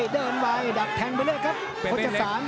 เดินไวดับแทงไปเลยครับ